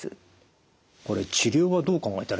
これ治療はどう考えたらいいんですか？